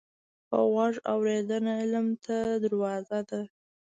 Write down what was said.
په غوږ اورېدنه علم ته دروازه ده